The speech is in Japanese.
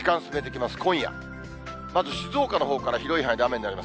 まず静岡のほうから広い範囲で雨になります。